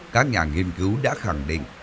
các nhà nghiên cứu đã khẳng định